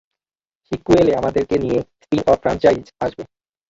সিক্যুয়েলে আমাদেরকে নিয়ে spin off franchise আসবে!